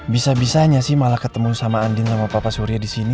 bisa bisanya sih malah ketemu sama andin sama papa surya di sini